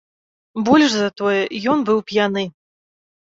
Больш за тое, ён быў п'яны.